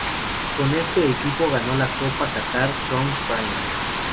Con este equipo ganó la Copa Qatar Crown Prince.